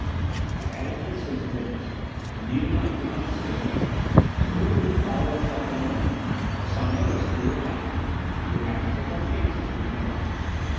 I had an instant's glimpse. Anita and I could not stay here. The brigands would follow us up in a moment. I saw no exterior ladder. We would have to take our chances and jump.